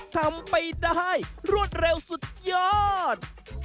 ทำไปได้รวดเร็วสุดยอด